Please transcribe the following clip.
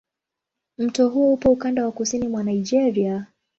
Mto huo upo ukanda wa kusini mwa Nigeria.